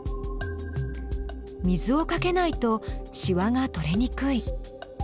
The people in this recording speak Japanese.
水をかけないとしわが取れにくい。